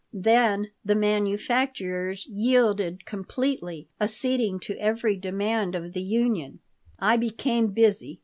Then the manufacturers yielded completely, acceding to every demand of the union I became busy.